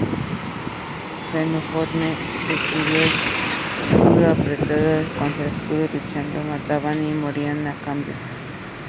Jenofonte lo describió: "Escudo apretado contra escudo luchaban, mataban y morían a cambio".